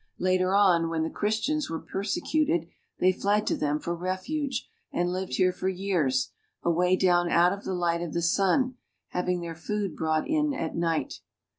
Later on, when the Christians were persecuted, they fled to them for refuge, and lived here for years, away down out of the light of the sun, having their food brought in at night.